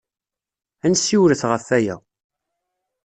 Ad nessiwlet ɣef waya.